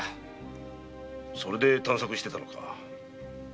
それで探索してたんだな。